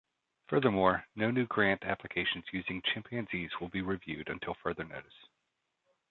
Furthermore, no new grant applications using chimpanzees will be reviewed until further notice.